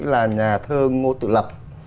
là nhà thơ ngô tự lập